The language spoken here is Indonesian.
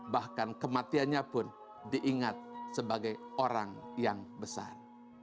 bahkan kematiannya pun diingat sebagai orang yang besar